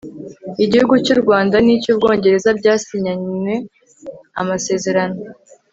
igihugu cy'u rwanda n'icy'ubwongereza byasinyanye amasezerano